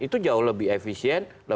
itu jauh lebih efisien